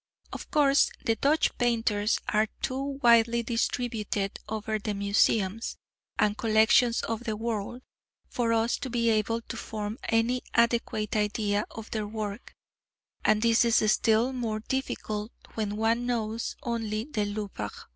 Of course the Dutch painters are too widely distributed over the Museums and collections of the world for us to be able to form any adequate idea of their work, and this is still more difficult when one knows only the Louvre.